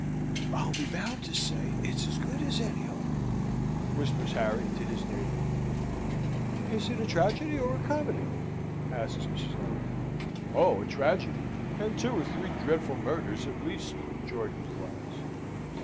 "I'll be bound to say it's as good as any of 'em," whispers Harry to his neighbour. "Is it a tragedy or a comedy?" asks Mrs. Lambert. "Oh, a tragedy, and two or three dreadful murders at least!" George replies.